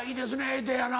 言うてやな。